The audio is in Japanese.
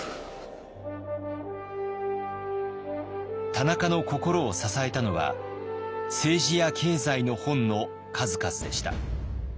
田中の心を支えたのは政治や経済の本の数々でした。